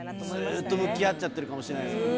ずーっと向き合っちゃってるかもしれないですね。